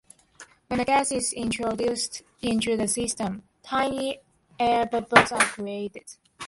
When the gas is introduced into the system, tiny air bubbles are created.